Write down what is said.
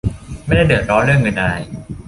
ไม่ได้เดือดร้อนเรื่องเงินอะไร